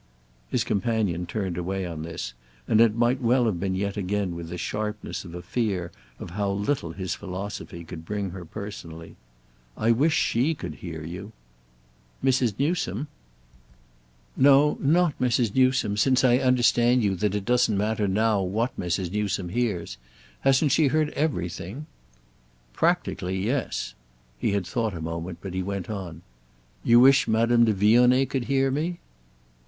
His companion turned away on this, and it might well have been yet again with the sharpness of a fear of how little his philosophy could bring her personally. "I wish she could hear you!" "Mrs. Newsome?" "No—not Mrs. Newsome; since I understand you that it doesn't matter now what Mrs. Newsome hears. Hasn't she heard everything?" "Practically—yes." He had thought a moment, but he went on. "You wish Madame de Vionnet could hear me?"